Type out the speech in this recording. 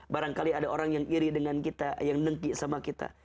barangkali ada orang yang iri dengan kita yang nengki sama kita